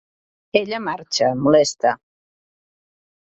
Ella marxa, molesta.